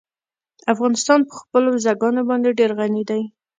افغانستان په خپلو بزګانو باندې ډېر غني دی.